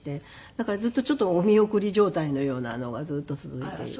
だからずっとちょっとお見送り状態のようなのがずっと続いていて。